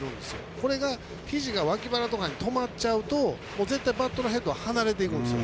これがひじが脇腹とかに止まっちゃうと絶対バットのヘッドは離れていくんですよ。